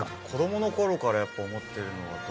子供の頃からやっぱ思ってるのは。